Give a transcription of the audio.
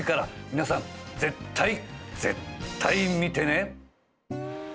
皆さん絶対絶対見てね！